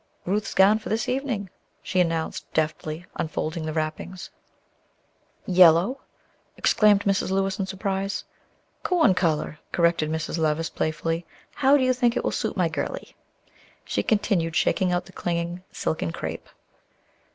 "Ruth's gown for this evening," she announced, deftly unfolding the wrappings. "Yellow!" exclaimed Mrs. Lewis, in surprise. "Corn color," corrected Mrs. Levice, playfully; "how do you think it will suit my girlie?" She continued, shaking out the clinging silken crepe.